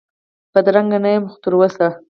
بدرنګه نه یم خو تراوسه،